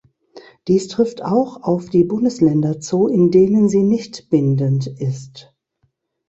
Dies trifft auch auf die Bundesländer zu, in denen sie nicht bindend ist.